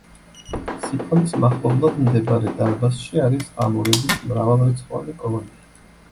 სიფონის მახლობლად მდებარე დარბაზში არის ღამურების მრავალრიცხოვანი კოლონია.